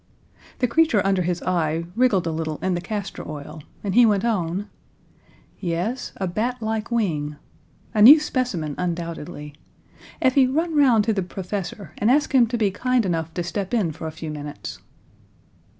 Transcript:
The creature under his eye wriggled a little in the castor oil, and he went on: "Yes; a batlike wing. A new specimen, undoubtedly. Effie, run round to the professor and ask him to be kind enough to step in for a few minutes."